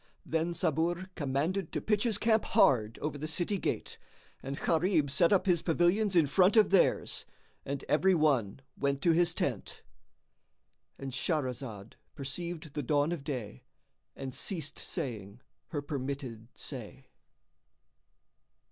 Then Sabur commanded to pitch his camp hard over the city gate, and Gharib set up his pavilions in front of theirs; and every one went to his tent.——And Shahrazad perceived the dawn of day and ceased saying her permitted say.